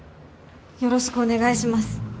よろしくお願いします。